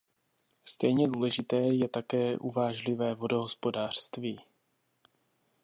Stejně důležité je také uvážlivé vodohospodářství.